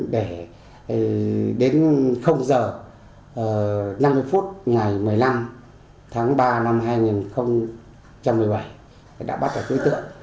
đến h năm mươi ngày một mươi năm tháng ba năm hai nghìn một mươi bảy đã bắt đổi đối tượng